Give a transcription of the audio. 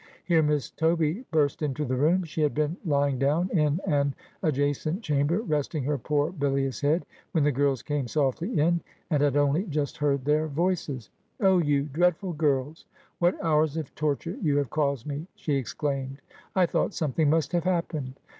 Here Miss Toby burst into the room. She had been lying down in an adjacent chamber, resting her poor bilious head, when the girls came softly in, and had only just heard their voices. ' Oh, you dreadful girls, what hours of torture you have caused me!' she exclaimed. 'I thought something must have happened.'